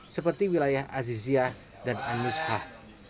seperti wilayah aziziyah dan an nus'ah